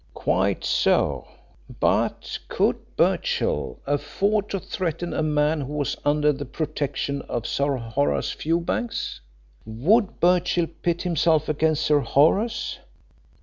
"Quite so. But could Birchill afford to threaten a man who was under the protection of Sir Horace Fewbanks? Would Birchill pit himself against Sir Horace?